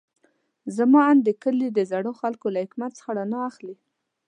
زما اند د کلي د زړو خلکو له حکمت څخه رڼا اخلي.